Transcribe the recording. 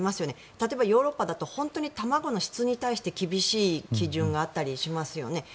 例えば、ヨーロッパだと本当に卵の質に対して厳しい基準があったりしますよね。